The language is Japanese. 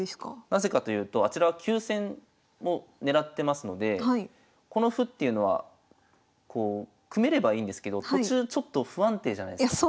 なぜかというとあちらは急戦を狙ってますのでこの歩っていうのはこう組めればいいんですけど途中ちょっと不安定じゃないすか。